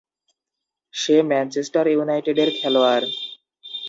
সে Manchester ইউনাইটেডের খেলোয়াড়।